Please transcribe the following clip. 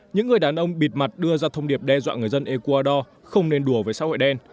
những người đàn ông bịt mặt đưa ra thông điệp đe dọa người dân ecuador không nên đùa với xã hội đen